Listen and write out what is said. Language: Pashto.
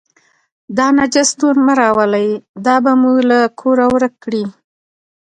دا نجس نور مه راولئ، دا به موږ له کوره ورک کړي.